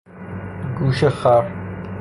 گوش خر